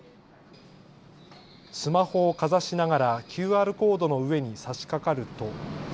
スマホをかざしながらＱＲコードの上にさしかかると。